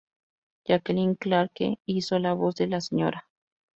Jacqueline Clarke hizo la voz de la Sra.